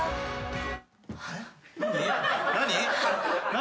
何？